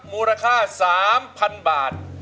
มูลค่า๓๐๐๐บาท